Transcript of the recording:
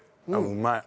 うまい！